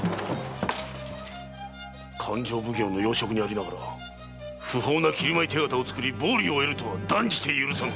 勘定奉行の要職にありながら不法な切米手形を作り暴利を得るとは断じて許さん！